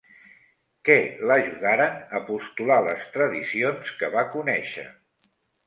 Què l'ajudaren a postular les tradicions que va conèixer?